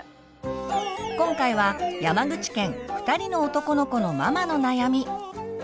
今回は山口県２人の男の子のママの悩み。